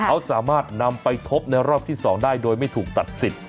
เขาสามารถนำไปทบในรอบที่๒ได้โดยไม่ถูกตัดสิทธิ์